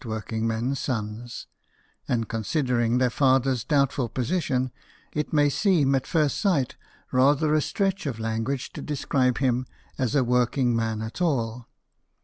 9 1 working men's sons ; and, considering their father's doubtful position, it may seem at first sight rather a stretch of language to describe him as a working man at all.